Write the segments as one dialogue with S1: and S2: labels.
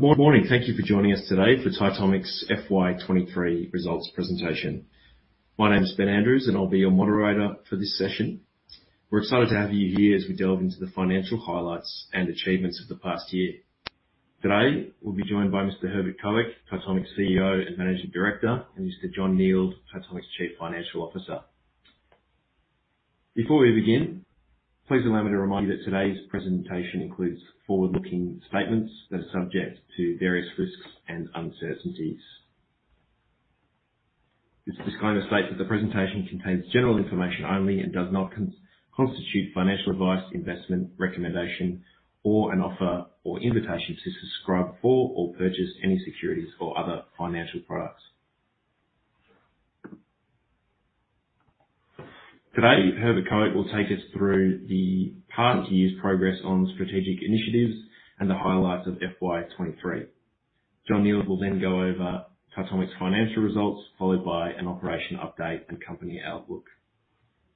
S1: Good morning. Thank you for joining us today for Titomic's FY 2023 results presentation. My name is Ben Andrews, and I'll be your moderator for this session. We're excited to have you here as we delve into the financial highlights and achievements of the past year. Today, we'll be joined by Mr. Herbert Koeck, Titomic's CEO and Managing Director, and Mr. Jon Nield, Titomic's Chief Financial Officer. Before we begin, please allow me to remind you that today's presentation includes forward-looking statements that are subject to various risks and uncertainties. This disclaimer states that the presentation contains general information only and does not constitute financial advice, investment recommendation, or an offer or invitation to subscribe for or purchase any securities or other financial products. Today, Herbert Koeck will take us through the past year's progress on strategic initiatives and the highlights of FY 2023. Jon Nield will then go over Titomic's financial results, followed by an operation update and company outlook.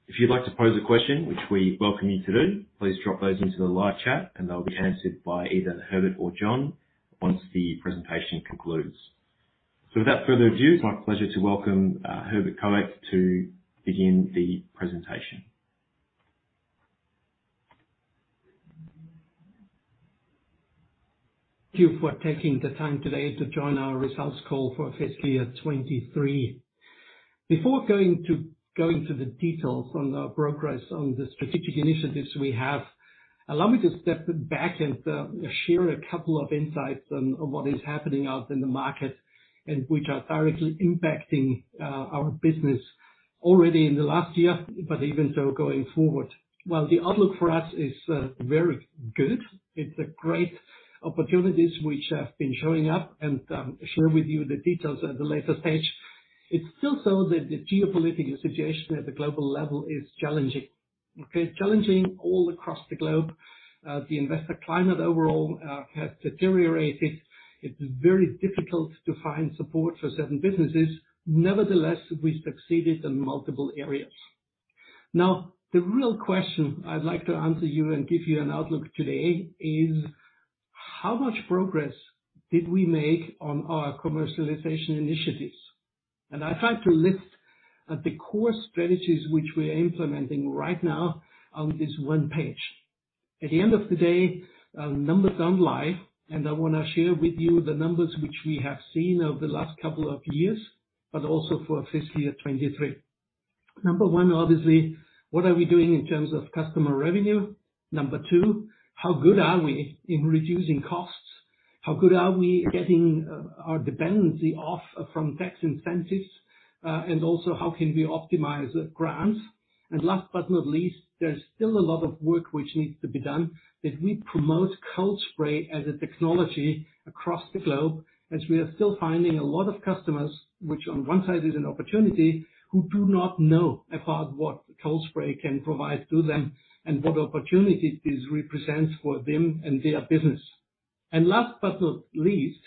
S1: If you'd like to pose a question, which we welcome you to do, please drop those into the live chat, and they'll be answered by either Herbert or Jon once the presentation concludes. So without further ado, it's my pleasure to welcome Herbert Koeck to begin the presentation.
S2: Thank you for taking the time today to join our results call for fiscal year 2023. Before going into the details on our progress on the strategic initiatives we have, allow me to step back and share a couple of insights on what is happening out in the market and which are directly impacting our business already in the last year, but even so, going forward. While the outlook for us is very good, it's great opportunities which have been showing up, and I'll share with you the details at a later stage. It's still so that the geopolitical situation at the global level is challenging. Okay? Challenging all across the globe. The investor climate overall has deteriorated. It's very difficult to find support for certain businesses. Nevertheless, we succeeded in multiple areas. Now, the real question I'd like to answer you and give you an outlook today is: How much progress did we make on our commercialization initiatives? I tried to list the core strategies which we are implementing right now on this one page. At the end of the day, numbers don't lie, and I wanna share with you the numbers which we have seen over the last couple of years, but also for fiscal year 2023. Number one, obviously, what are we doing in terms of customer revenue? Number two, how good are we in reducing costs? How good are we getting our dependency off from tax incentives? Also, how can we optimize grants? Last but not least, there's still a lot of work which needs to be done, that we promote cold spray as a technology across the globe, as we are still finding a lot of customers, which on one side is an opportunity, who do not know about what cold spray can provide to them and what opportunities this represents for them and their business. Last but not least,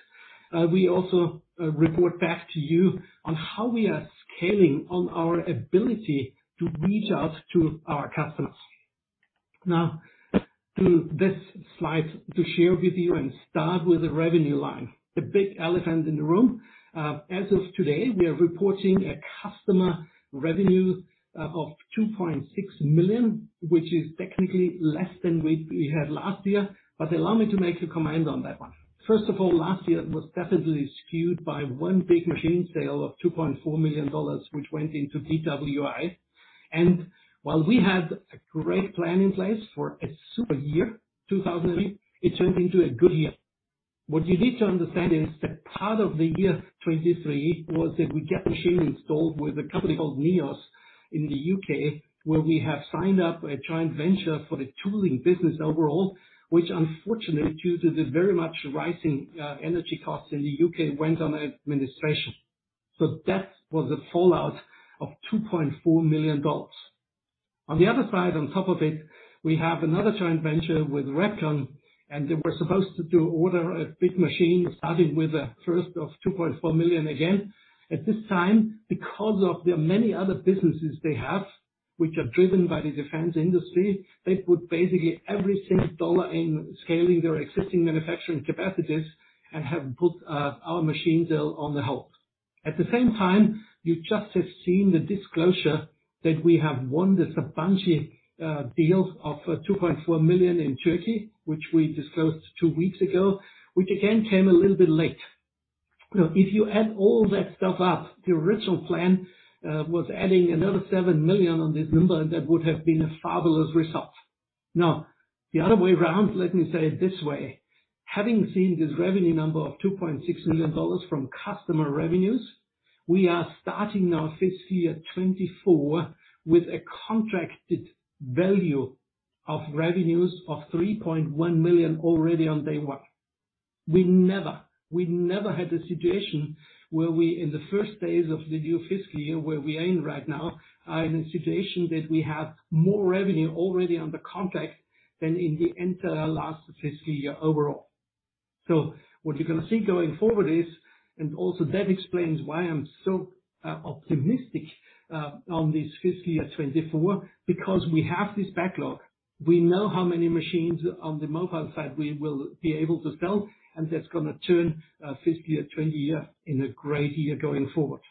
S2: we also report back to you on how we are scaling on our ability to reach out to our customers. Now, to this slide, to share with you and start with the revenue line, the big elephant in the room. As of today, we are reporting a customer revenue of 2.6 million, which is technically less than we had last year, but allow me to make a comment on that one. First of all, last year was definitely skewed by one big machine sale of $2.4 million, which went into TWI. While we had a great plan in place for a super year, 2003, it turned into a good year. What you need to understand is that part of the year 2023 was that we get machine installed with a company called Neos in the UK, where we have signed up a joint venture for the tooling business overall, which unfortunately, due to the very much rising, energy costs in the UK, went under administration. So that was a fallout of $2.4 million. On the other side, on top of it, we have another joint venture with Repkon, and they were supposed to order a big machine, starting with the first of $2.4 million again. At this time, because of the many other businesses they have, which are driven by the defense industry, they put basically every single dollar in scaling their existing manufacturing capacities and have put our machine sale on the hold. At the same time, you just have seen the disclosure that we have won the Sabancı deal of $2.4 million in Turkey, which we disclosed two weeks ago, which again, came a little bit late. Now, if you add all that stuff up, the original plan was adding another $7 million on this number, and that would have been a fabulous result. Now, the other way around, let me say it this way: Having seen this revenue number of $2.6 million from customer revenues, we are starting now, fiscal year 2024, with a contracted value of revenues of $3.1 million already on day one. We never had a situation where we, in the first phase of the new fiscal year, where we are in right now, are in a situation that we have more revenue already under contract than in the entire last fiscal year overall. So what you're gonna see going forward is, and also that explains why I'm so optimistic on this fiscal year 2024, because we have this backlog. We know how many machines on the mobile side we will be able to sell, and that's gonna turn fiscal year 2024 in a great year going forward.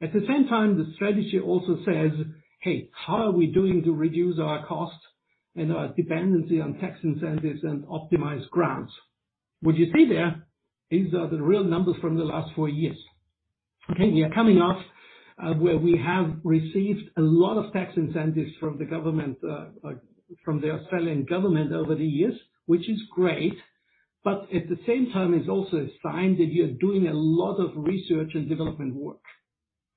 S2: At the same time, the strategy also says, "Hey, how are we doing to reduce our costs and our dependency on tax incentives and optimize grants?" What you see there, these are the real numbers from the last four years. Okay, we are coming off, where we have received a lot of tax incentives from the government, from the Australian government over the years, which is great, but at the same time, it's also a sign that you are doing a lot of research and development work.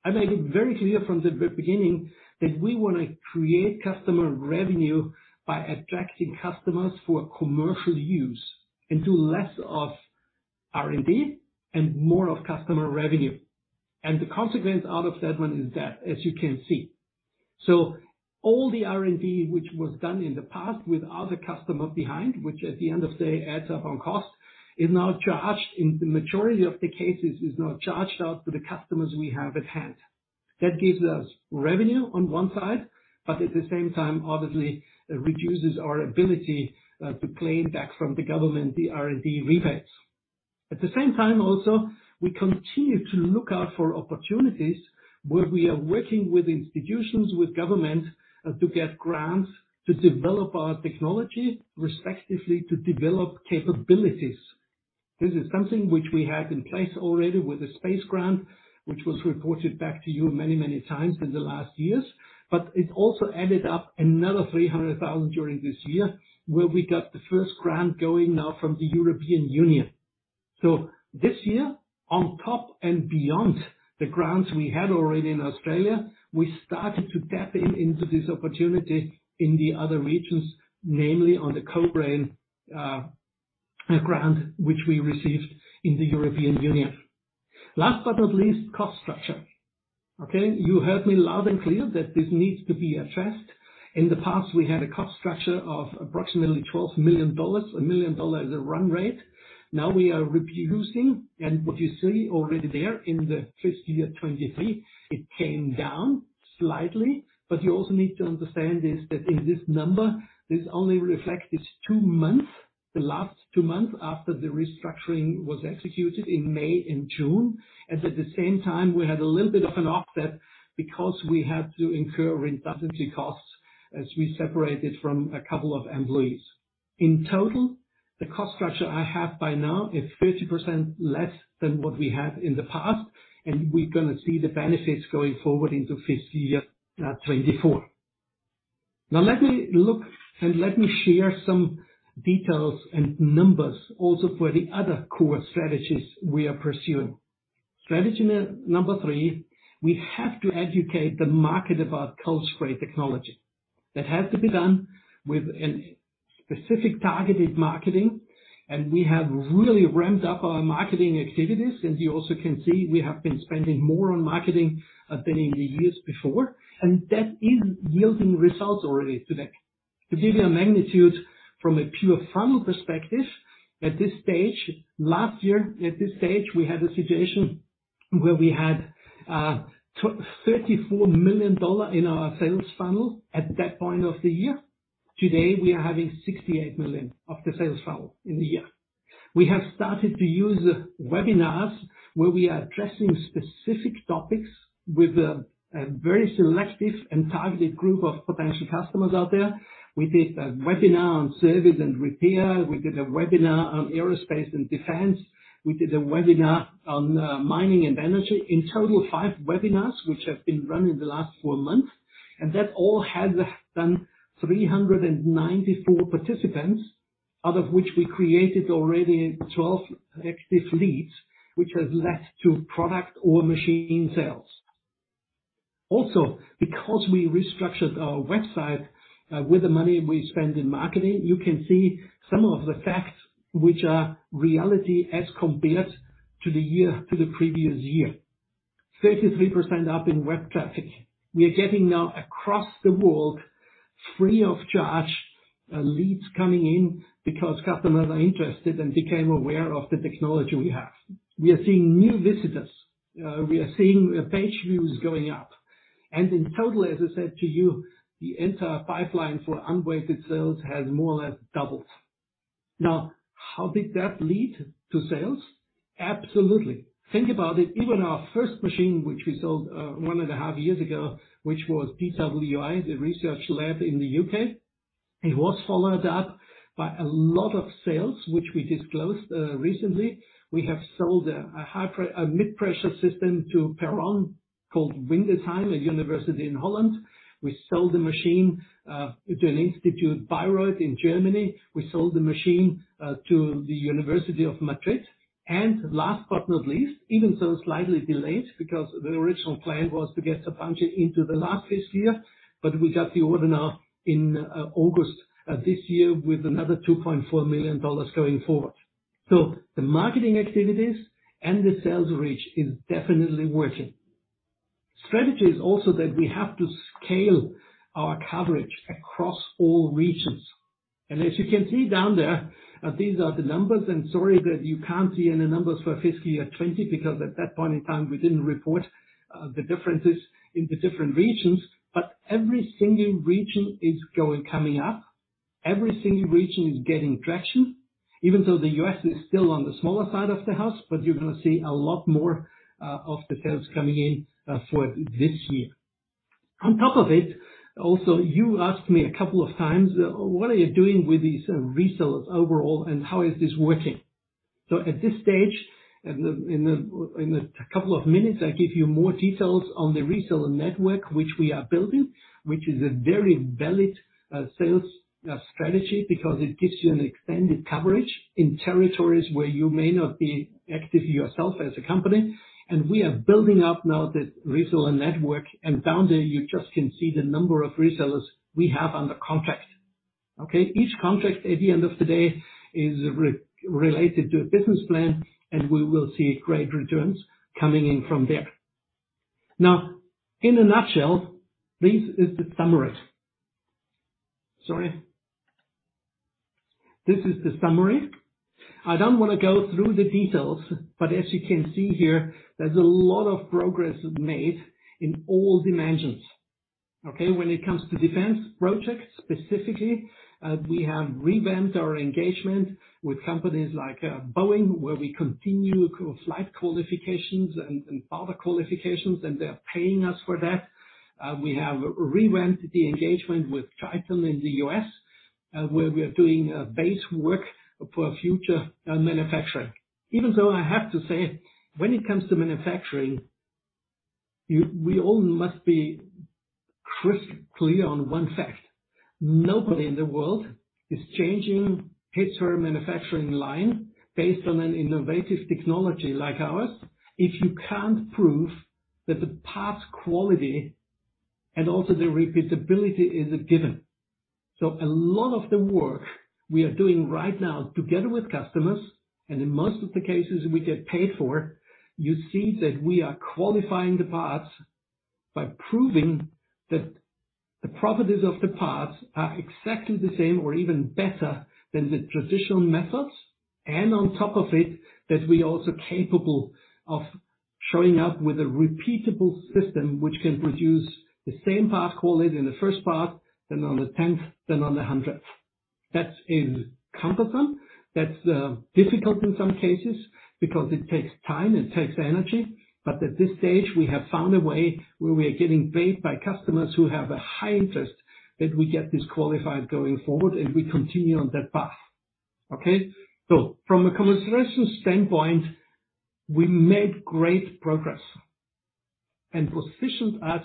S2: I made it very clear from the very beginning that we want to create customer revenue by attracting customers for commercial use, and do less of R&D and more of customer revenue. The consequence out of that one is that, as you can see. So all the R&D which was done in the past without a customer behind, which at the end of the day, adds up on cost, is now charged, in the majority of the cases, is now charged out to the customers we have at hand. That gives us revenue on one side, but at the same time, obviously, it reduces our ability to claim back from the government the R&D rebates. At the same time also, we continue to look out for opportunities where we are working with institutions, with government, to get grants to develop our technology, respectively, to develop capabilities. This is something which we had in place already with the space grant, which was reported back to you many, many times in the last years, but it also added up another $300,000 during this year, where we got the first grant going now from the European Union. So this year, on top and beyond the grants we had already in Australia, we started to tap in, into this opportunity in the other regions, namely on the COBRAIN grant, which we received in the European Union. Last but not least, cost structure. Okay, you heard me loud and clear that this needs to be addressed. In the past, we had a cost structure of approximately $12 million, $1 million as a run rate. Now we are reducing, and what you see already there in the fiscal year 2023, it came down slightly. But you also need to understand is, that in this number, this only reflects this two months, the last two months after the restructuring was executed in May and June, and at the same time, we had a little bit of an offset because we had to incur redundancy costs as we separated from a couple of employees. In total, the cost structure I have by now is 50% less than what we had in the past, and we're gonna see the benefits going forward into fiscal year 2024. Now let me look and let me share some details and numbers also for the other core strategies we are pursuing. Strategy number 3: we have to educate the market about Cold Spray technology. That has to be done with a specific targeted marketing, and we have really ramped up our marketing activities, and you also can see we have been spending more on marketing than in the years before, and that is yielding results already today. To give you a magnitude from a pure funnel perspective, at this stage—last year, at this stage, we had a situation where we had thirty-four million dollars in our sales funnel at that point of the year. Today, we are having sixty-eight million dollars in the sales funnel in the year. We have started to use webinars, where we are addressing specific topics with a very selective and targeted group of potential customers out there. We did a webinar on service and repair. We did a webinar on aerospace and defense. We did a webinar on mining and energy. In total, 5 webinars, which have been run in the last 4 months, and that all has done 394 participants, out of which we created already 12 active leads, which has led to product or machine sales. Also, because we restructured our website, with the money we spend in marketing, you can see some of the facts which are reality as compared to the year, to the previous year. 33% up in web traffic. We are getting now, across the world, free of charge, leads coming in because customers are interested and became aware of the technology we have. We are seeing new visitors, we are seeing, page views going up. In total, as I said to you, the entire pipeline for unweighted sales has more or less doubled. Now, how did that lead to sales? Absolutely. Think about it. Even our first machine, which we sold one and a half years ago, which was TWI, the research lab in the UK., it was followed up by a lot of sales, which we disclosed recently. We have sold a mid-pressure system to Perron, called Windesheim, a university in Holland. We sold the machine to an institute, Bayreuth, in Germany. We sold the machine to the University of Madrid. Last but not least, even though slightly delayed, because the original plan was to get Sabancı into the last fiscal year, but we got the order now in August of this year, with another $2.4 million going forward. So the marketing activities and the sales reach is definitely working. Strategy is also that we have to scale our coverage across all regions. As you can see down there, these are the numbers, and sorry that you can't see any numbers for fiscal year 2020, because at that point in time, we didn't report the differences in the different regions. Every single region is going, coming up. Every single region is getting traction, even though the US is still on the smaller side of the house, but you're gonna see a lot more of the sales coming in for this year. On top of it, also, you asked me a couple of times, "What are you doing with these resellers overall, and how is this working?" So at this stage, in a couple of minutes, I give you more details on the reseller network, which we are building, which is a very valid sales strategy because it gives you an extended coverage in territories where you may not be active yourself as a company. We are building up now the reseller network, and down there, you just can see the number of resellers we have under contract. Okay? Each contract, at the end of the day, is related to a business plan, and we will see great returns coming in from there. Now, in a nutshell, this is the summary. Sorry. This is the summary. I don't want to go through the details, but as you can see here, there's a lot of progress made in all dimensions. Okay? When it comes to defense projects, specifically, we have revamped our engagement with companies like Boeing, where we continue flight qualifications and other qualifications, and they're paying us for that. We have revamped the engagement with Titomic in the US, where we are doing base work for future manufacturing. Even so, I have to say, when it comes to manufacturing, we all must be crystal clear on one fact: nobody in the world is changing his or her manufacturing line based on an innovative technology like ours if you can't prove that the parts quality and also the repeatability is a given. So a lot of the work we are doing right now, together with customers, and in most of the cases we get paid for, you see that we are qualifying the parts by proving that the properties of the parts are exactly the same or even better than the traditional methods. On top of it, that we're also capable of showing up with a repeatable system, which can produce the same part quality in the first part, then on the tenth, then on the hundredth. That is cumbersome. That's difficult in some cases because it takes time and takes energy. But at this stage, we have found a way where we are getting paid by customers who have a high interest that we get this qualified going forward, and we continue on that path. Okay? So from a commercialization standpoint, we made great progress and positioned us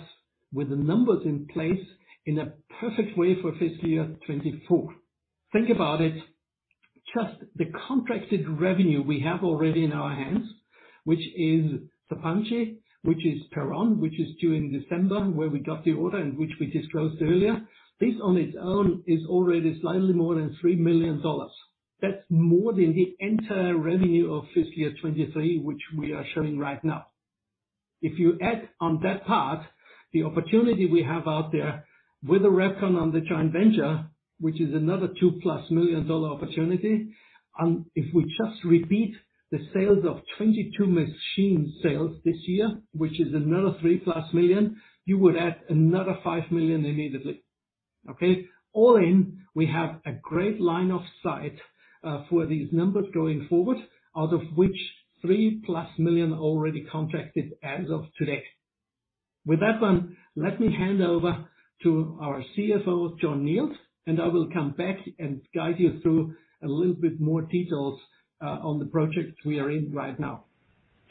S2: with the numbers in place in a perfect way for fiscal year 2024. Think about it, just the contracted revenue we have already in our hands, which is Sabanci, which is Perron, which is due in December, where we got the order and which we disclosed earlier. This, on its own, is already slightly more than $3 million. That's more than the entire revenue of fiscal year 2023, which we are showing right now. If you add on that part, the opportunity we have out there with the Repcon on the joint venture, which is another $2+ million dollar opportunity, and if we just repeat the sales of 2022 machine sales this year, which is another $3+ million, you would add another $5 million immediately. Okay? All in, we have a great line of sight for these numbers going forward, out of which 3+ million already contracted as of today. With that one, let me hand over to our CFO, Jon Nield, and I will come back and guide you through a little bit more details on the projects we are in right now.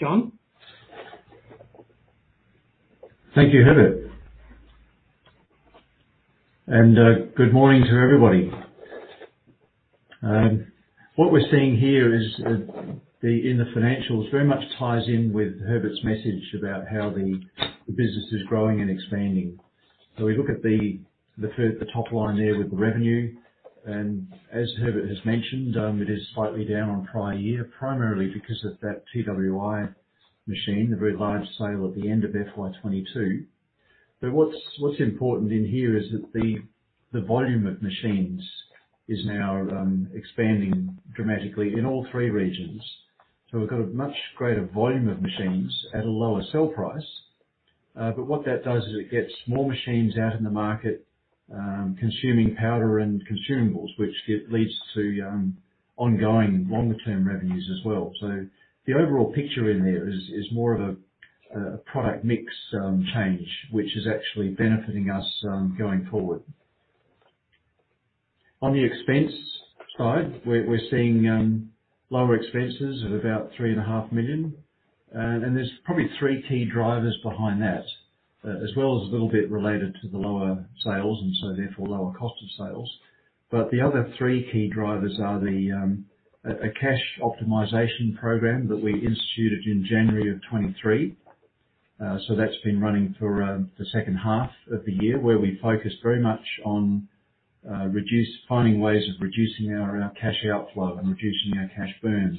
S2: John?
S3: Thank you, Herbert. Good morning to everybody. What we're seeing here is the in the financials very much ties in with Herbert's message about how the business is growing and expanding. So we look at the top line there with the revenue, and as Herbert has mentioned, it is slightly down on prior year, primarily because of that TWI machine, the very large sale at the end of FY 2022. But what's important in here is that the volume of machines is now expanding dramatically in all three regions. So we've got a much greater volume of machines at a lower sale price. But what that does is it gets more machines out in the market, consuming powder and consumables, which it leads to ongoing longer term revenues as well. So the overall picture in there is more of a product mix change, which is actually benefiting us going forward. On the expense side, we're seeing lower expenses of about 3.5 million. There's probably three key drivers behind that, as well as a little bit related to the lower sales, and so therefore, lower cost of sales. But the other three key drivers are the cash optimization program that we instituted in January of 2023. So that's been running for the second half of the year, where we focused very much on finding ways of reducing our cash outflow and reducing our cash burn.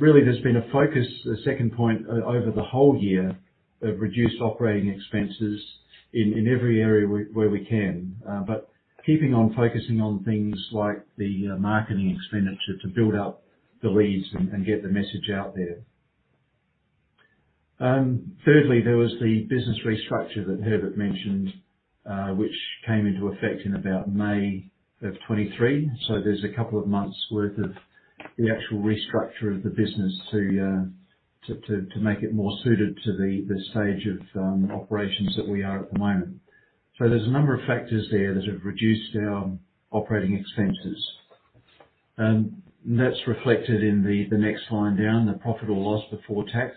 S3: Really there's been a focus, the second point, over the whole year of reduced operating expenses in every area where we can. But keeping on focusing on things like the marketing expenditure to build up the leads and get the message out there. Thirdly, there was the business restructure that Herbert mentioned, which came into effect in about May of 2023. So there's a couple of months' worth of the actual restructure of the business to make it more suited to the stage of operations that we are at the moment. So there's a number of factors there that have reduced our operating expenses, and that's reflected in the next line down, the profit or loss before tax.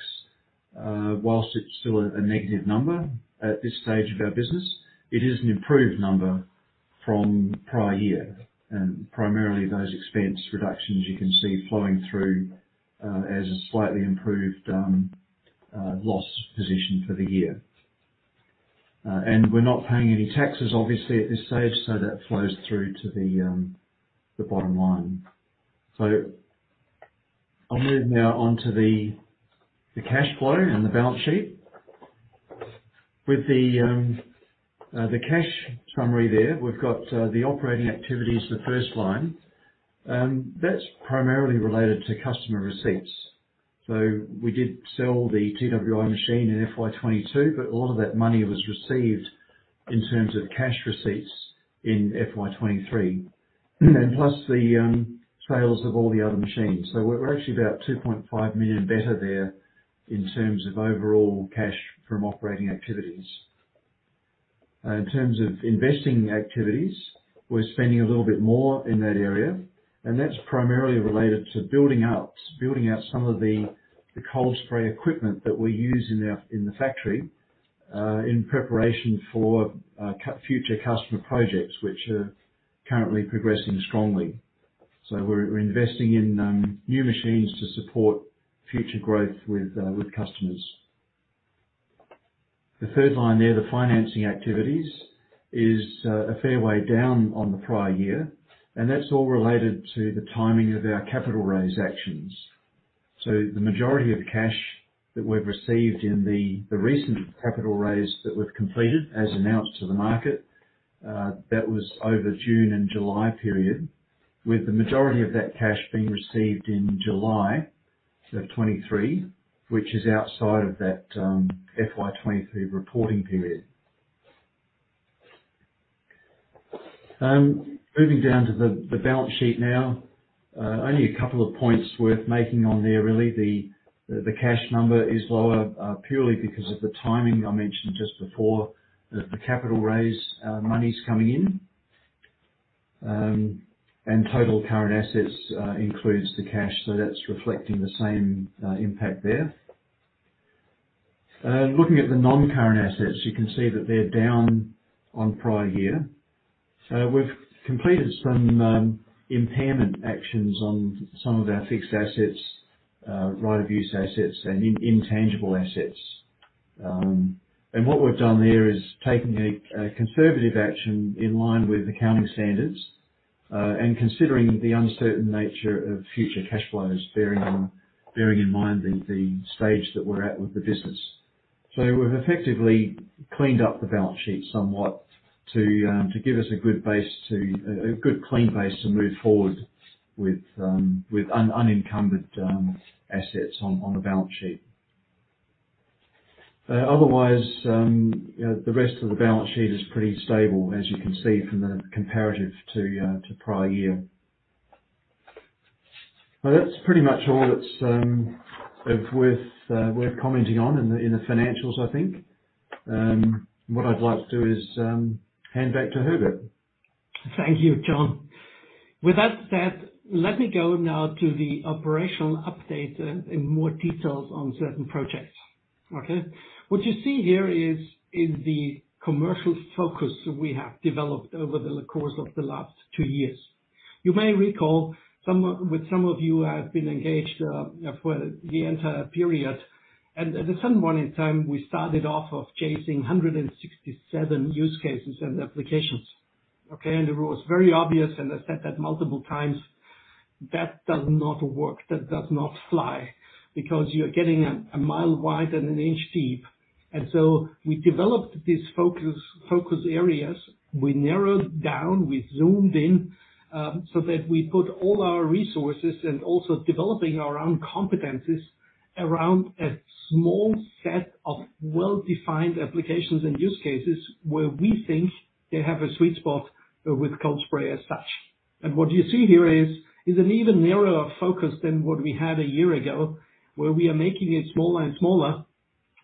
S3: While it's still a negative number at this stage of our business, it is an improved number from prior year. Primarily, those expense reductions you can see flowing through as a slightly improved loss position for the year. We're not paying any taxes, obviously, at this stage, so that flows through to the bottom line. I'll move now on to the cash flow and the balance sheet. With the cash summary there, we've got the operating activities, the first line. That's primarily related to customer receipts. We did sell the TWI machine in FY22, but a lot of that money was received in terms of cash receipts in FY23, and plus the sales of all the other machines. We're actually about 2.5 million better there in terms of overall cash from operating activities. In terms of investing activities, we're spending a little bit more in that area, and that's primarily related to building out some of the cold spray equipment that we use in our factory in preparation for future customer projects, which are currently progressing strongly. We're investing in new machines to support future growth with customers. The third line there, the financing activities, is a fair way down on the prior year, and that's all related to the timing of our capital raise actions. So the majority of the cash that we've received in the recent capital raise that we've completed, as announced to the market, that was over June and July period, with the majority of that cash being received in July of 2023, which is outside of that FY 2023 reporting period. Moving down to the balance sheet now. Only a couple of points worth making on there, really. The cash number is lower, purely because of the timing I mentioned just before. The capital raise money's coming in. Total current assets includes the cash, so that's reflecting the same impact there. Looking at the non-current assets, you can see that they're down on prior year. So we've completed some impairment actions on some of our fixed assets, right-of-use assets, and intangible assets. What we've done there is taking a conservative action in line with accounting standards, and considering the uncertain nature of future cash flows, bearing in mind the stage that we're at with the business. So we've effectively cleaned up the balance sheet somewhat to give us a good base to a good, clean base to move forward with unencumbered assets on the balance sheet. Otherwise, the rest of the balance sheet is pretty stable, as you can see from the comparative to prior year. Well, that's pretty much all that's worth commenting on in the financials, I think. What I'd like to do is hand back to Herbert.
S2: Thank you, John. With that said, let me go now to the operational update in more details on certain projects. Okay? What you see here is the commercial focus we have developed over the course of the last two years. You may recall, some of you have been engaged for the entire period, and at some point in time, we started off of chasing 167 use cases and applications, okay? It was very obvious, and I said that multiple times, that does not work, that does not fly, because you're getting a mile wide and an inch deep. So we developed these focus areas. We narrowed down, we zoomed in, so that we put all our resources and also developing our own competencies around a small set of well-defined applications and use cases, where we think they have a sweet spot, with cold spray as such. What you see here is an even narrower focus than what we had a year ago, where we are making it smaller and smaller,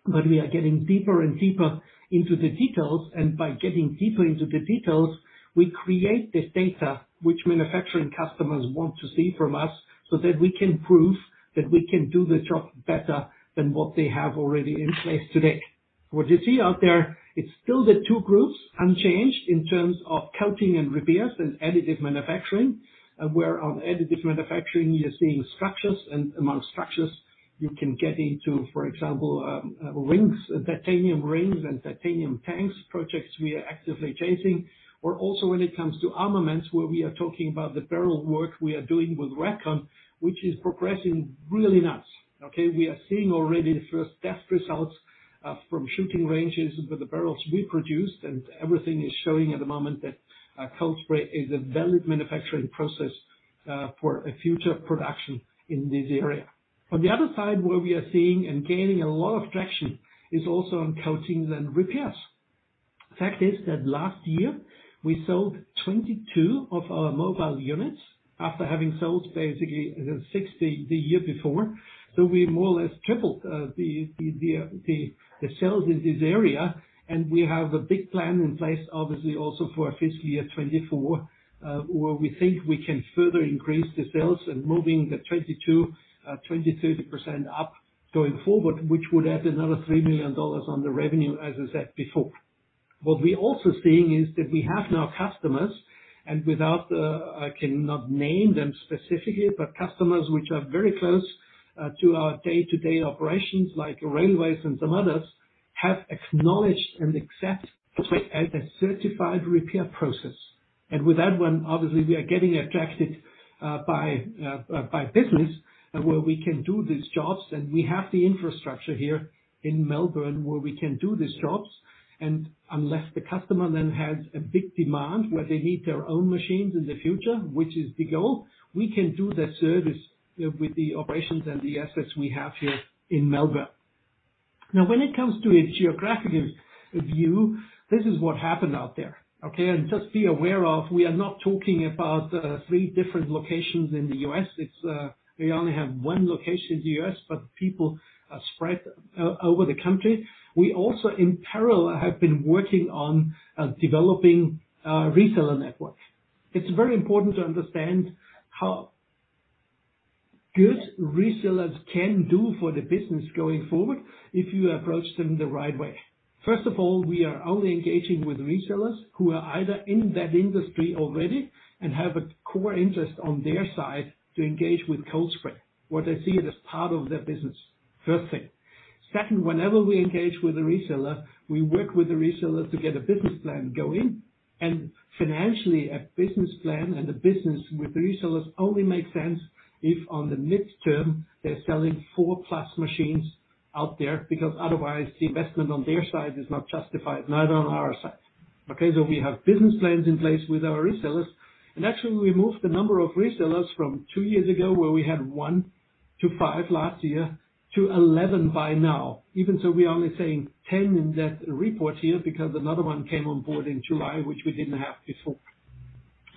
S2: but we are getting deeper and deeper into the details. By getting deeper into the details, we create this data which manufacturing customers want to see from us, so that we can prove that we can do the job better than what they have already in place today. What you see out there, it's still the two groups, unchanged, in terms of coating and repairs and additive manufacturing. Where on additive manufacturing, you're seeing structures, and among structures,... You can get into, for example, rings, titanium rings and titanium tanks, projects we are actively chasing. Or also when it comes to armaments, where we are talking about the barrel work we are doing with Repcon, which is progressing really nice, okay? We are seeing already the first test results from shooting ranges with the barrels we produced, and everything is showing at the moment that Cold Spray is a valid manufacturing process for a future production in this area. On the other side, where we are seeing and gaining a lot of traction, is also on coatings and repairs. Fact is that last year, we sold 22 of our mobile units after having sold basically six the year before. So we more or less tripled the sales in this area, and we have a big plan in place, obviously, also for our fiscal year 2024, where we think we can further increase the sales and moving the 20%-30% up going forward, which would add another 3 million dollars on the revenue, as I said before. What we're also seeing is that we have now customers, and without, I cannot name them specifically, but customers which are very close to our day-to-day operations, like railways and some others, have acknowledged and accept us as a certified repair process. With that one, obviously, we are getting attracted by business, where we can do these jobs, and we have the infrastructure here in Melbourne, where we can do these jobs. Unless the customer then has a big demand, where they need their own machines in the future, which is the goal, we can do that service with the operations and the assets we have here in Melbourne. Now, when it comes to a geographic view, this is what happened out there, okay? Just be aware of, we are not talking about three different locations in the US. It's, we only have one location in the U.S., but people are spread over the country. We also, in parallel, have been working on developing a reseller network. It's very important to understand how good resellers can do for the business going forward if you approach them the right way. First of all, we are only engaging with resellers who are either in that industry already and have a core interest on their side to engage with Cold Spray, where they see it as part of their business. First thing. Second, whenever we engage with a reseller, we work with the reseller to get a business plan going. Financially, a business plan and a business with resellers only makes sense if, on the midterm, they're selling 4+ machines out there, because otherwise, the investment on their side is not justified, neither on our side. Okay, so we have business plans in place with our resellers. Actually, we moved the number of resellers from 2 years ago, where we had 1-5 last year, to 11 by now. Even so, we are only saying 10 in that report here, because another one came on board in July, which we didn't have before.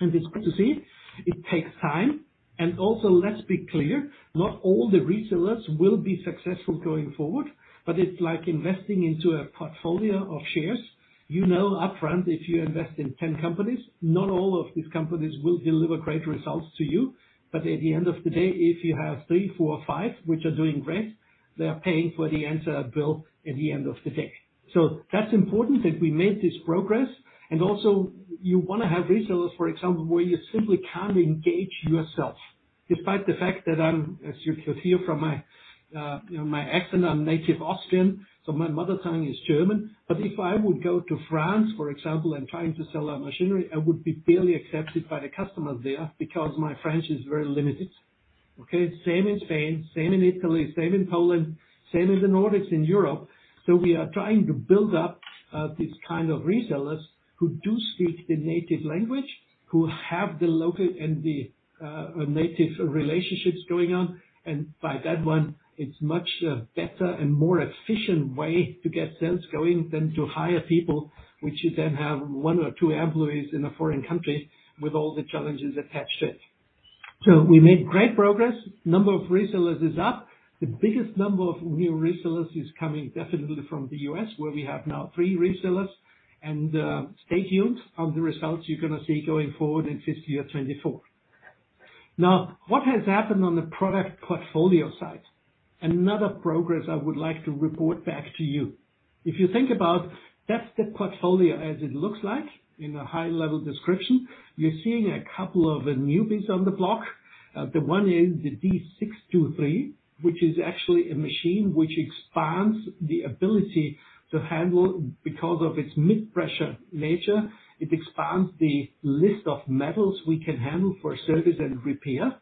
S2: It's good to see. It takes time. Also, let's be clear, not all the resellers will be successful going forward, but it's like investing into a portfolio of shares. You know, upfront, if you invest in 10 companies, not all of these companies will deliver great results to you. But at the end of the day, if you have three, four, or five, which are doing great, they are paying for the entire bill at the end of the day. That's important that we made this progress. Also, you want to have resellers, for example, where you simply can't engage yourself. Despite the fact that I'm, as you can hear from my, you know, my accent, I'm a native Austrian, so my mother tongue is German. But if I would go to France, for example, and trying to sell our machinery, I would be barely accepted by the customers there because my French is very limited. Okay? Same in Spain, same in Italy, same in Poland, same in the Nordics in Europe. So we are trying to build up, these kind of resellers who do speak the native language, who have the local and the, native relationships going on. By that one, it's much, better and more efficient way to get sales going than to hire people, which you then have one or two employees in a foreign country with all the challenges attached to it. So we made great progress. Number of resellers is up. The biggest number of new resellers is coming definitely from the U.S., where we have now 3 resellers. Stay tuned on the results you're going to see going forward in fiscal year 2024. Now, what has happened on the product portfolio side? Another progress I would like to report back to you. If you think about, that's the portfolio as it looks like in a high-level description. You're seeing a couple of newbies on the block. The one is the D623, which is actually a machine which expands the ability to handle. Because of its mid-pressure nature, it expands the list of metals we can handle for service and repair.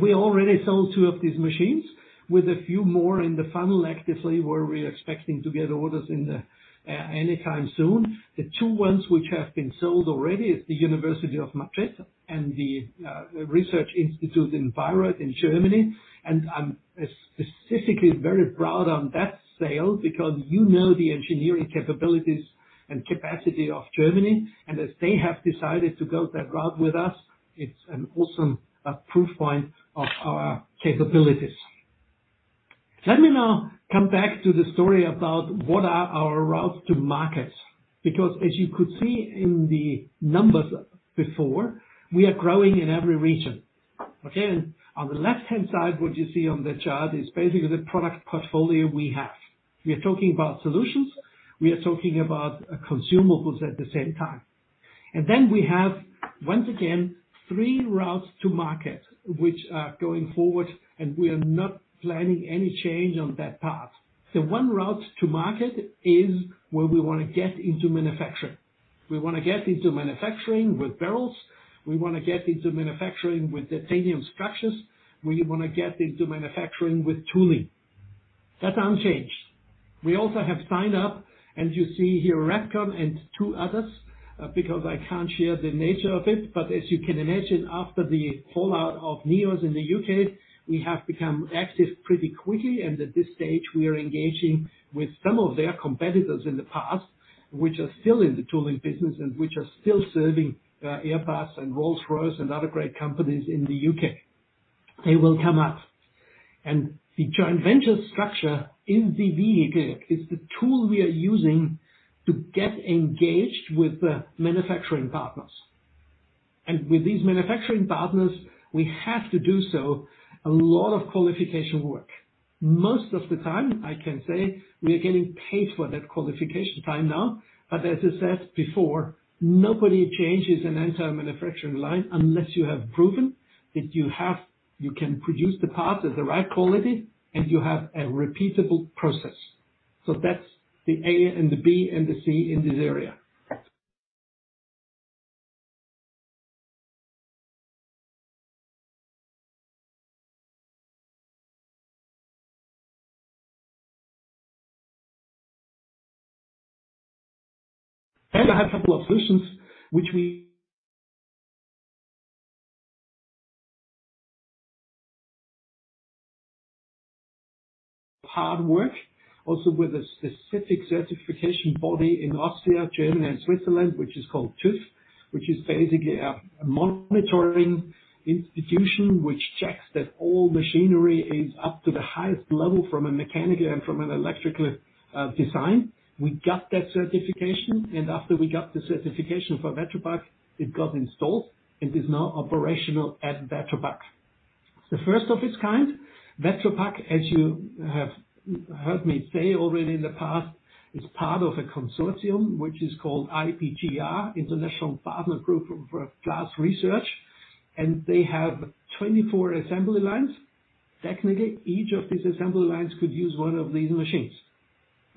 S2: We already sold 2 of these machines, with a few more in the funnel actively, where we're expecting to get orders in the anytime soon. The two ones which have been sold already is the University of Madrid and the research institute in Bayreuth, in Germany. I'm specifically very proud on that sale, because you know the engineering capabilities and capacity of Germany, and as they have decided to go that route with us, it's an awesome proof point of our capabilities. Let me now come back to the story about what are our routes to markets, because as you could see in the numbers before, we are growing in every region. Okay, on the left-hand side, what you see on the chart is basically the product portfolio we have. We are talking about solutions, we are talking about consumables at the same time.... Then we have, once again, three routes to market, which are going forward, and we are not planning any change on that path. The one route to market is where we want to get into manufacturing. We want to get into manufacturing with barrels. We want to get into manufacturing with titanium structures. We want to get into manufacturing with tooling. That's unchanged. We also have signed up, and you see here, Repcon and two others, because I can't share the nature of it. But as you can imagine, after the fallout of Neos in the UK, we have become active pretty quickly, and at this stage, we are engaging with some of their competitors in the past, which are still in the tooling business and which are still serving, Airbus and Rolls-Royce and other great companies in the UK. They will come up. The joint venture structure in JV, again, is the tool we are using to get engaged with the manufacturing partners. And with these manufacturing partners, we have to do so a lot of qualification work. Most of the time, I can say, we are getting paid for that qualification time now, but as I said before, nobody changes an entire manufacturing line unless you have proven that you can produce the parts at the right quality, and you have a repeatable process. So that's the A and the B and the C in this area. And I have a couple of solutions which we hard work also with a specific certification body in Austria, Germany, and Switzerland, which is called TÜV, which is basically a monitoring institution, which checks that all machinery is up to the highest level from a mechanical and from an electrical design. We got that certification, and after we got the certification for Vetropack, it got installed and is now operational at Vetropack. The first of its kind, Vetropack, as you have heard me say already in the past, is part of a consortium, which is called IPGR, International Partner Group for Glass Research, and they have 24 assembly lines. Technically, each of these assembly lines could use one of these machines,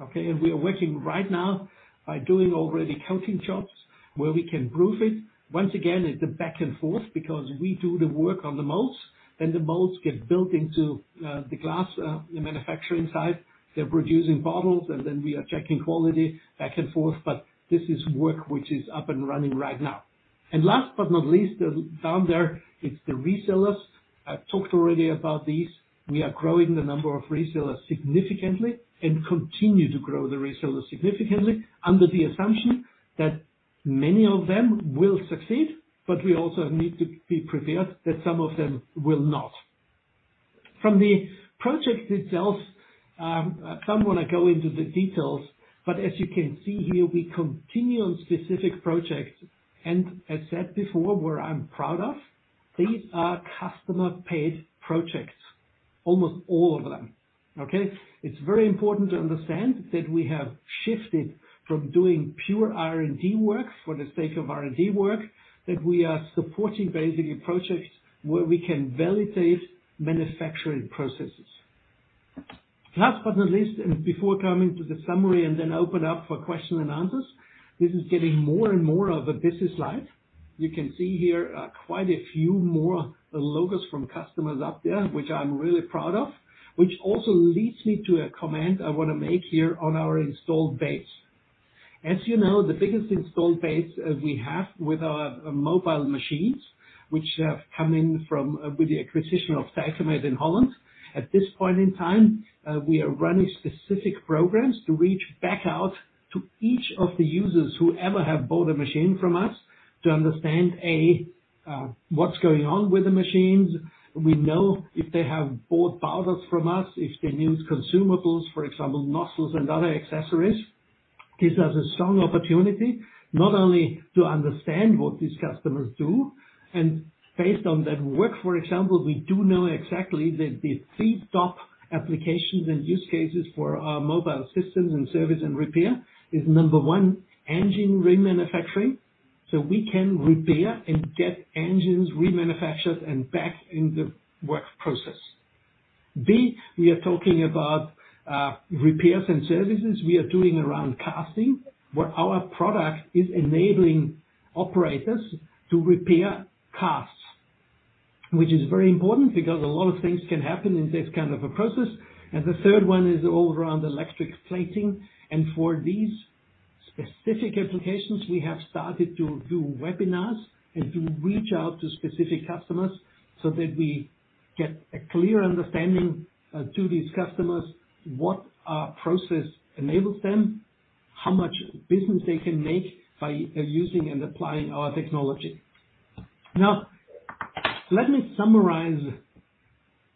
S2: okay? And we are working right now by doing already coating jobs where we can prove it. Once again, it's a back and forth because we do the work on the molds, then the molds get built into the glass manufacturing site. They're producing bottles, and then we are checking quality back and forth, but this is work which is up and running right now. And last but not least, down there, it's the resellers. I've talked already about these. We are growing the number of resellers significantly and continue to grow the resellers significantly under the assumption that many of them will succeed, but we also need to be prepared that some of them will not. From the project itself, I don't want to go into the details, but as you can see here, we continue on specific projects, and as said before, where I'm proud of, these are customer-paid projects, almost all of them, okay? It's very important to understand that we have shifted from doing pure R&D work for the sake of R&D work, that we are supporting basically projects where we can validate manufacturing processes. Last but not least, and before coming to the summary and then open up for question and answers, this is getting more and more of a business life. You can see here, quite a few more logos from customers up there, which I'm really proud of, which also leads me to a comment I want to make here on our installed base. As you know, the biggest installed base we have with our mobile machines, which have come in with the acquisition of Dycomet in Holland. At this point in time, we are running specific programs to reach back out to each of the users who ever have bought a machine from us to understand, A, what's going on with the machines. We know if they have bought powders from us, if they use consumables, for example, nozzles and other accessories. Gives us a strong opportunity not only to understand what these customers do, and based on that work, for example, we do know exactly that the C top applications and use cases for our mobile systems and service and repair is, number one, engine remanufacturing. So we can repair and get engines remanufactured and back in the work process. B, we are talking about repairs and services we are doing around casting, where our product is enabling operators to repair casts, which is very important because a lot of things can happen in this kind of a process. And the third one is all around electric plating. For these specific applications, we have started to do webinars and to reach out to specific customers so that we get a clear understanding to these customers what our process enables them, how much business they can make by using and applying our technology. Now, let me summarize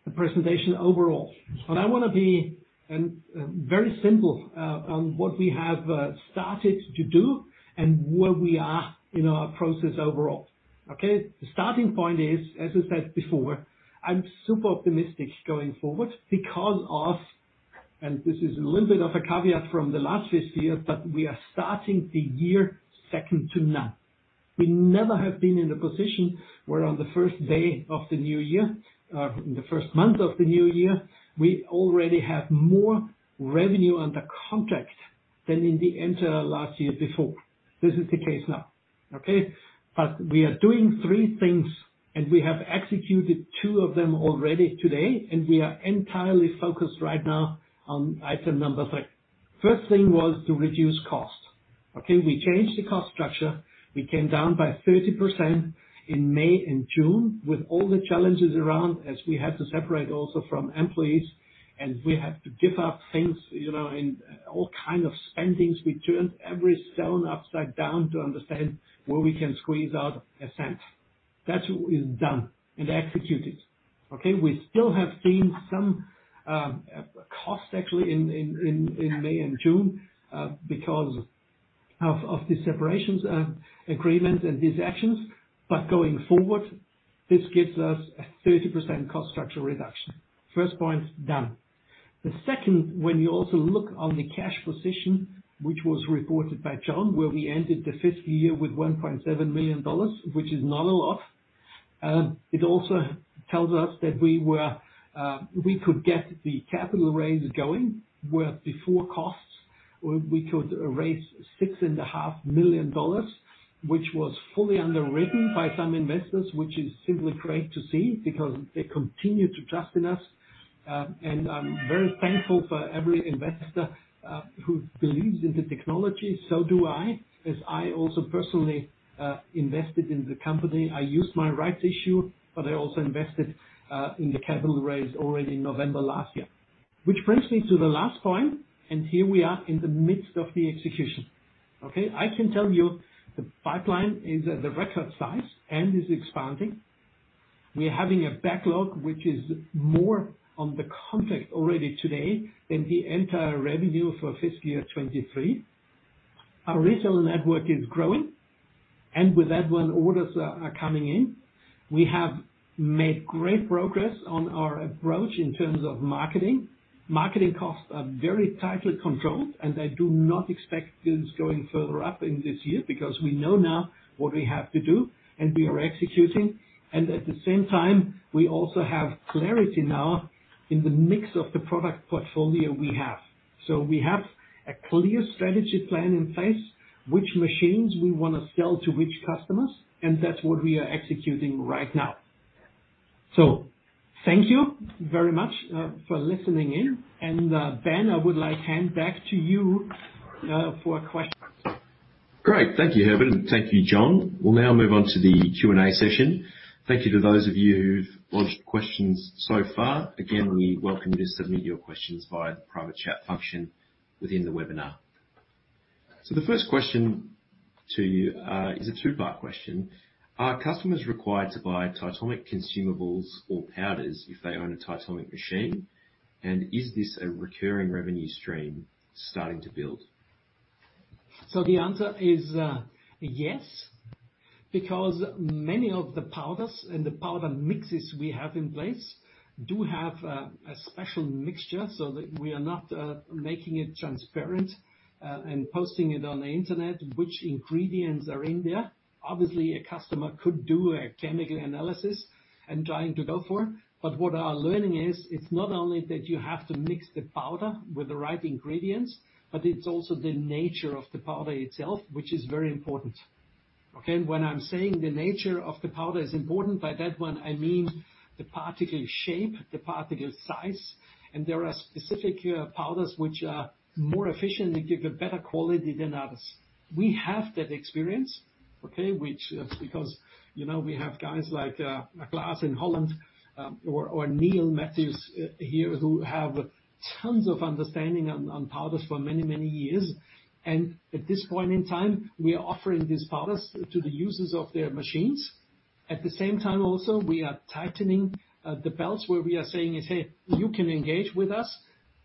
S2: the presentation overall. I want to be very simple on what we have started to do and where we are in our process overall, okay? The starting point is, as I said before, I'm super optimistic going forward. And this is a little bit of a caveat from the last fiscal year, but we are starting the year second to none. We never have been in the position where on the first day of the new year, the first month of the new year, we already have more revenue under contract than in the entire last year before. This is the case now, okay? But we are doing 3 things, and we have executed two of them already today, and we are entirely focused right now on item number 3. First thing was to reduce cost. Okay, we changed the cost structure. We came down by 30% in May and June, with all the challenges around as we had to separate also from employees, and we had to give up things, you know, and all kind of spendings. We turned every stone upside down to understand where we can squeeze out a cent. That is done and executed. Okay, we still have seen some cost actually in May and June because of the separations agreement and these actions. But going forward, this gives us a 30% cost structure reduction. First point, done. The second, when you also look on the cash position, which was reported by John, where we ended the fiscal year with 1.7 million dollars, which is not a lot, it also tells us that we could get the capital raise going, where before costs, we could raise 6.5 million dollars, which was fully underwritten by some investors, which is simply great to see because they continue to trust in us. And I'm very thankful for every investor who believes in the technology. So do I, as I also personally invested in the company. I used my rights issue, but I also invested in the capital raise already in November last year. Which brings me to the last point, and here we are in the midst of the execution. Okay, I can tell you the pipeline is at the record size and is expanding. We are having a backlog, which is more on the contract already today than the entire revenue for fiscal year 2023. Our retail network is growing, and with that, when orders are coming in. We have made great progress on our approach in terms of marketing. Marketing costs are very tightly controlled, and I do not expect this going further up in this year because we know now what we have to do, and we are executing. And at the same time, we also have clarity now in the mix of the product portfolio we have. So we have a clear strategy plan in place, which machines we want to sell to which customers, and that's what we are executing right now. So thank you very much for listening in. And, Ben, I would like to hand back to you for questions.
S1: Great. Thank you, Herbert, and thank you, John. We'll now move on to the Q&A session. Thank you to those of you who've launched questions so far. Again, we welcome you to submit your questions via the private chat function within the webinar. So the first question to you is a two-part question: Are customers required to buy Titomic consumables or powders if they own a Titomic machine? And is this a recurring revenue stream starting to build?
S2: So the answer is, yes, because many of the powders and the powder mixes we have in place do have a special mixture so that we are not making it transparent and posting it on the Internet, which ingredients are in there. Obviously, a customer could do a chemical analysis and trying to go for it. But what our learning is, it's not only that you have to mix the powder with the right ingredients, but it's also the nature of the powder itself, which is very important. Okay, and when I'm saying the nature of the powder is important, by that one, I mean the particle shape, the particle size, and there are specific powders which are more efficient and give a better quality than others. We have that experience, okay, which is because, you know, we have guys like Klaas. At this point in time, we are offering these powders to the users of their machines. At the same time, also, we are tightening the belts, where we are saying is, "Hey, you can engage with us,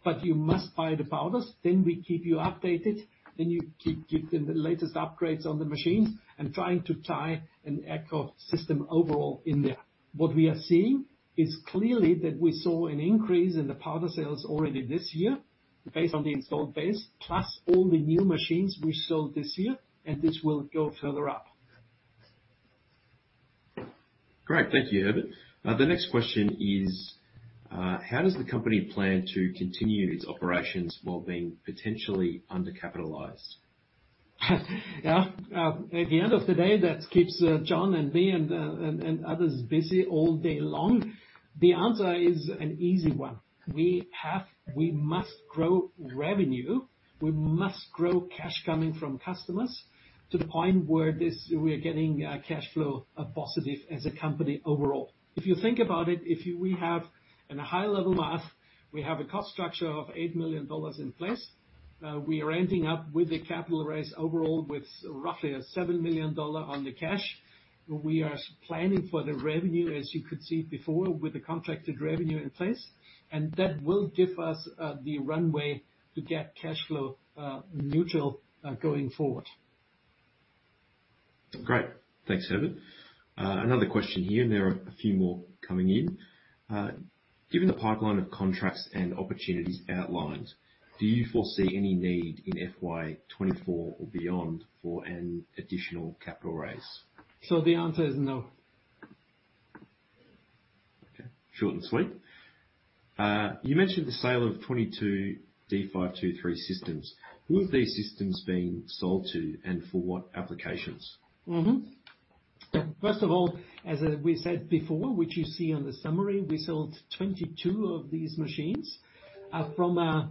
S2: but you must buy the powders. Then we keep you updated, then you keep getting the latest upgrades on the machine," and trying to tie an ecosystem overall in there. What we are seeing is clearly that we saw an increase in the powder sales already this year based on the installed base, plus all the new machines we sold this year, and this will go further up.
S1: Great. Thank you, Herbert. The next question is: How does the company plan to continue its operations while being potentially undercapitalized?
S2: Yeah, at the end of the day, that keeps John and me and and others busy all day long. The answer is an easy one. We must grow revenue. We must grow cash coming from customers to the point where this, we are getting cash flow positive as a company overall. If you think about it, we have in a high level math, we have a cost structure of 8 million dollars in place. We are ending up with a capital raise overall with roughly a 7 million dollar on the cash. We are planning for the revenue, as you could see before, with the contracted revenue in place, and that will give us the runway to get cash flow neutral going forward.
S1: Great! Thanks, Herbert. Another question here, and there are a few more coming in. Given the pipeline of contracts and opportunities outlined, do you foresee any need in FY 24 or beyond for an additional capital raise?
S2: The answer is no.
S1: Okay, short and sweet. You mentioned the sale of 22 D523 systems. Who are these systems being sold to, and for what applications?
S2: Mm-hmm. First of all, as we said before, which you see on the summary, we sold 22 of these machines. From a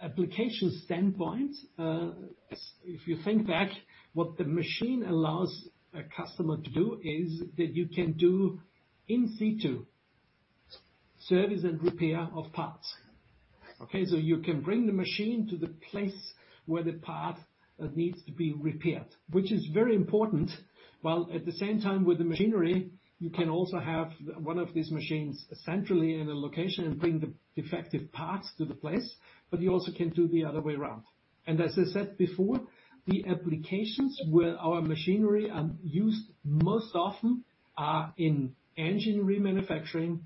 S2: application standpoint, if you think back, what the machine allows a customer to do is that you can do in situ service and repair of parts. Okay? So you can bring the machine to the place where the part needs to be repaired, which is very important. While at the same time, with the machinery, you can also have one of these machines centrally in a location and bring the defective parts to the place, but you also can do the other way around. And as I said before, the applications where our machinery are used most often are in engine remanufacturing,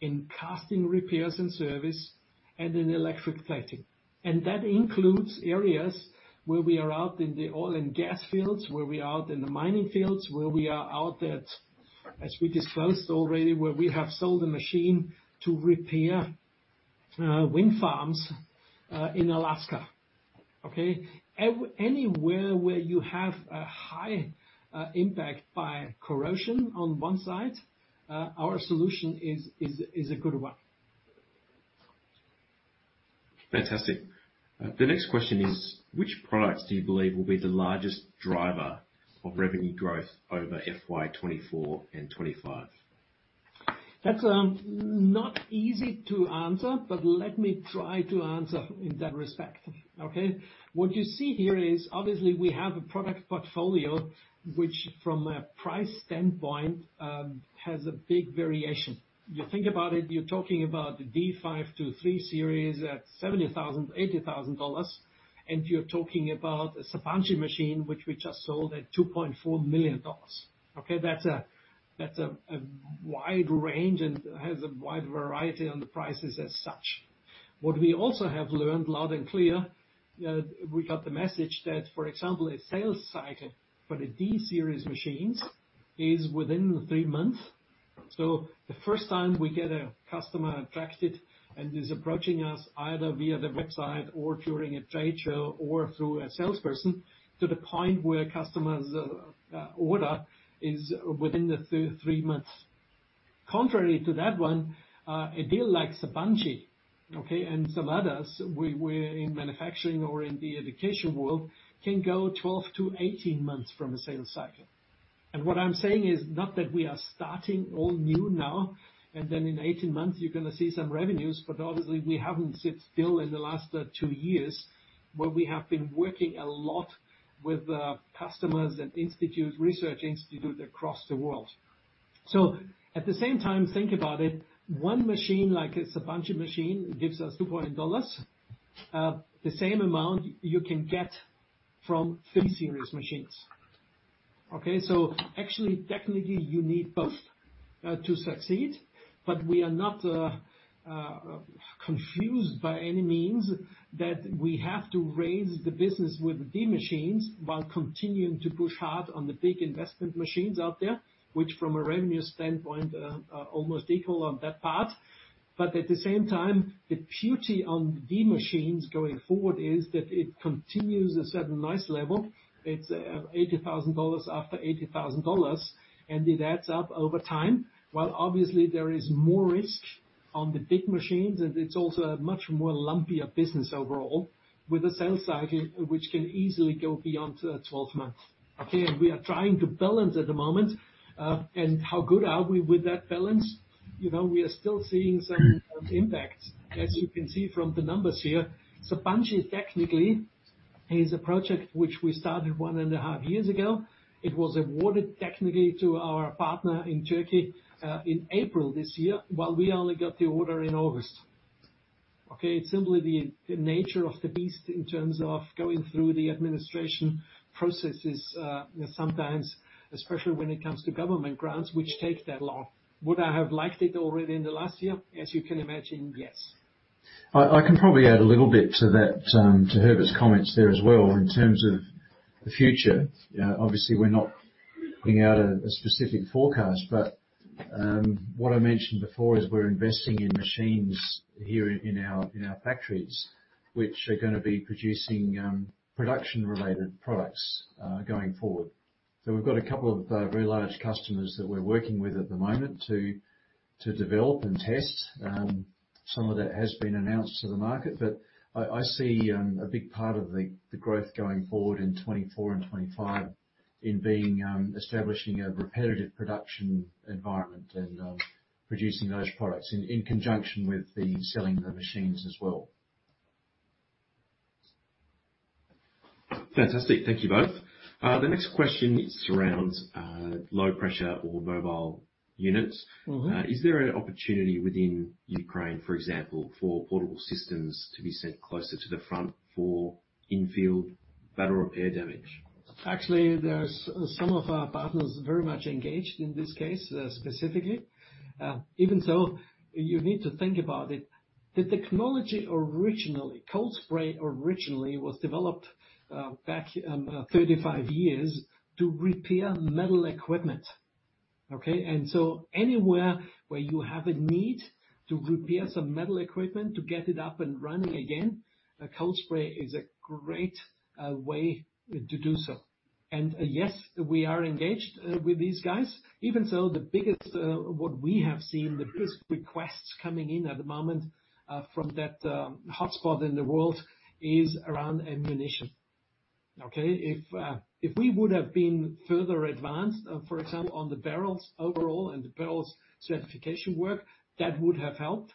S2: in casting repairs and service, and in electric plating. That includes areas where we are out in the oil and gas fields, where we are out in the mining fields, where we are out at, as we disclosed already, where we have sold a machine to repair wind farms in Alaska. Okay? Anywhere where you have a high impact by corrosion on one side, our solution is a good one.
S1: Fantastic. The next question is: Which products do you believe will be the largest driver of revenue growth over FY 24 and 25?
S2: That's not easy to answer, but let me try to answer in that respect, okay? What you see here is, obviously, we have a product portfolio, which, from a price standpoint, has a big variation. You think about it, you're talking about the D523 series at $70,000-$80,000, and you're talking about a Sabancı machine, which we just sold at $2.4 million. Okay? That's a, that's a, a wide range and has a wide variety on the prices as such. What we also have learned, loud and clear, we got the message that, for example, a sales cycle for the D series machines is within three months. So the first time we get a customer attracted and is approaching us, either via the website or during a trade show or through a salesperson, to the point where customers order is within the 3 months. Contrary to that one, a deal like Sabancı, and some others, where in manufacturing or in the education world, can go 12-18 months from a sales cycle. And what I'm saying is not that we are starting all new now, and then in 18 months you're gonna see some revenues, but obviously, we haven't sit still in the last 2 years, but we have been working a lot with customers and institutes, research institutes across the world. So at the same time, think about it, 1 machine, like a Sabancı machine, gives us $2 point. The same amount you can get from D series machines. Okay? So actually, technically, you need both to succeed, but we are not confused by any means that we have to raise the business with the D machines while continuing to push hard on the big investment machines out there, which, from a revenue standpoint, are almost equal on that part. But at the same time, the beauty on the D machines going forward is that it continues a certain nice level. It's 80,000 dollars after 80,000 dollars, and it adds up over time. While obviously there is more risk on the big machines, and it's also a much more lumpier business overall, with a sales cycle which can easily go beyond 12 months. Okay, and we are trying to balance at the moment, and how good are we with that balance? You know, we are still seeing some impact, as you can see from the numbers here. Sabancı, technically, is a project which we started one and a half years ago. It was awarded technically to our partner in Turkey, in April this year, while we only got the order in August. Okay? It's simply the nature of the beast in terms of going through the administration processes, sometimes, especially when it comes to government grants, which take that long. Would I have liked it already in the last year? As you can imagine, yes.
S3: I can probably add a little bit to that, to Herbert's comments there as well. In terms of the future, obviously, we're not putting out a specific forecast, but what I mentioned before is we're investing in machines here in our factories, which are gonna be producing production-related products going forward. So we've got a couple of very large customers that we're working with at the moment to develop and test. Some of that has been announced to the market, but I see a big part of the growth going forward in 2024 and 2025 in being establishing a repetitive production environment and producing those products in conjunction with the selling the machines as well.
S1: Fantastic. Thank you both. The next question surrounds low pressure or mobile units.
S2: Mm-hmm.
S1: Is there an opportunity within Ukraine, for example, for portable systems to be sent closer to the front for in-field battle repair damage?...
S2: Actually, there's some of our partners very much engaged in this case, specifically. Even so, you need to think about it. The technology originally, cold spray originally was developed back 35 years to repair metal equipment, okay? And so anywhere where you have a need to repair some metal equipment to get it up and running again, a cold spray is a great way to do so. And yes, we are engaged with these guys. Even so, the biggest - what we have seen, the biggest requests coming in at the moment from that hotspot in the world is around ammunition, okay? If, if we would have been further advanced, for example, on the barrels overall and the barrels' certification work, that would have helped,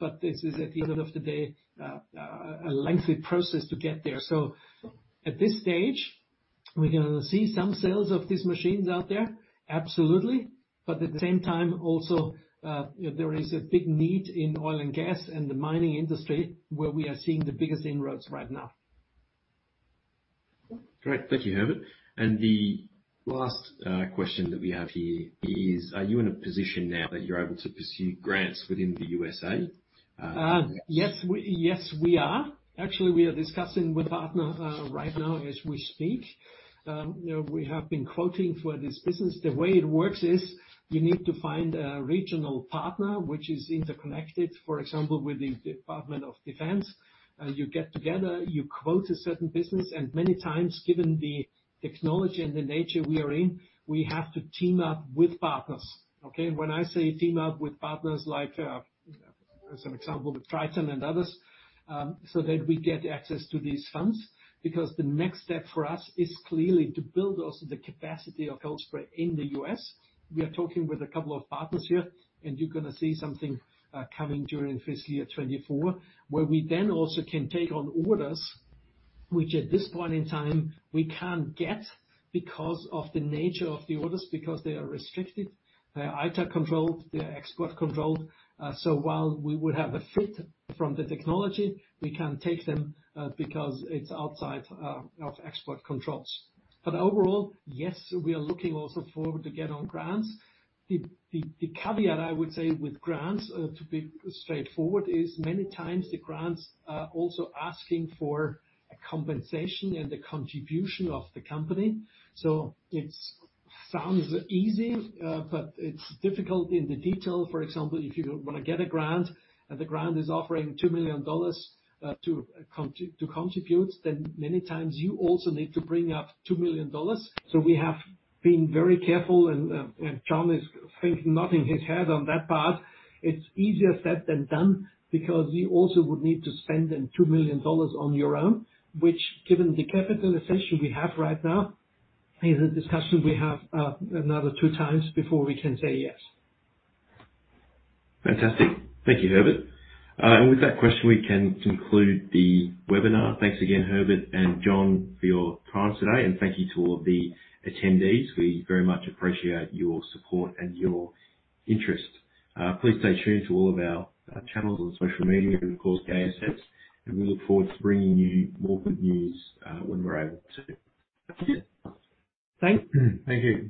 S2: but this is, at the end of the day, a lengthy process to get there. So at this stage, we're gonna see some sales of these machines out there? Absolutely. But at the same time, also, there is a big need in oil and gas and the mining industry, where we are seeing the biggest inroads right now.
S1: Great. Thank you, Herbert. The last question that we have here is: Are you in a position now that you're able to pursue grants within the USA?
S2: Yes, we are. Actually, we are discussing with partner right now as we speak. You know, we have been quoting for this business. The way it works is, you need to find a regional partner which is interconnected, for example, with the Department of Defense. You get together, you quote a certain business, and many times, given the technology and the nature we are in, we have to team up with partners, okay? When I say team up with partners, like, as an example, with Triton and others, so that we get access to these funds, because the next step for us is clearly to build also the capacity of cold spray in the U.S. We are talking with a couple of partners here, and you're gonna see something coming during fiscal year 2024, where we then also can take on orders, which at this point in time, we can't get because of the nature of the orders, because they are restricted. They are ITAR controlled, they are export controlled. So while we would have the fit from the technology, we can't take them, because it's outside of export controls. But overall, yes, we are looking also forward to get on grants. The caveat I would say with grants, to be straightforward, is many times the grants are also asking for a compensation and the contribution of the company. So it sounds easy, but it's difficult in the detail. For example, if you want to get a grant, and the grant is offering $2 million to contribute, then many times you also need to bring up $2 million. So we have been very careful, and, and John is thinking, nodding his head on that part. It's easier said than done, because you also would need to spend the $2 million on your own, which, given the capital essentially we have right now, is a discussion we have, another 2 times before we can say yes.
S1: Fantastic. Thank you, Herbert. With that question, we can conclude the webinar. Thanks again, Herbert and John, for your time today, and thank you to all of the attendees. We very much appreciate your support and your interest. Please stay tuned to all of our channels on social media, and of course, ASX, and we look forward to bringing you more good news, when we're able to. That's it.
S2: Thanks.
S1: Thank you.